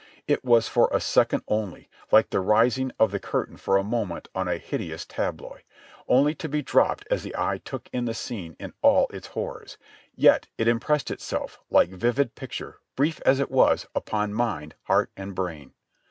It was for a second only, like the rising of the curtain for a moment on a hideous tableau, only to be dropped as the eye took in the scene in all its horrors, yet it im pressed itself, that vivid picture, brief as it was, upon mind, heart and brain.